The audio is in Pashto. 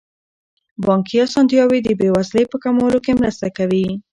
بانکي اسانتیاوې د بې وزلۍ په کمولو کې مرسته کوي.